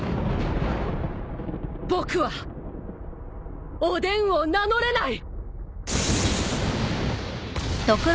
僕はおでんを名乗れない！